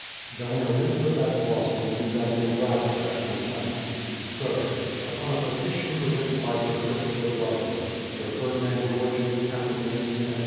Governor Winthrop at Boston to Governor Bradford at New Plymouth: Sir, Upon a petition presented by Sir Christopher Gardiner, Sir Ferdinand Gorges, Captain Mason, etc.